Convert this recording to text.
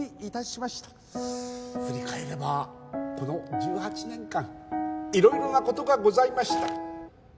振り返ればこの１８年間いろいろな事がございました。